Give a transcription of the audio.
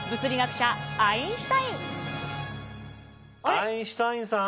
アインシュタインさん。